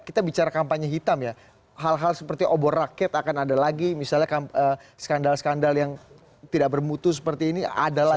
kita bicara kampanye hitam ya hal hal seperti obor rakyat akan ada lagi misalnya skandal skandal yang tidak bermutu seperti ini adalah